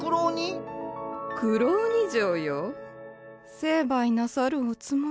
成敗なさるおつもり？